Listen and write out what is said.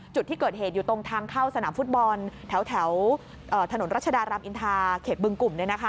จุดที่เกิดเหตุอยู่ตรงทางเข้าสนามฟุตบอลแถวถนนรัชดารามอินทาเขตบึงกลุ่ม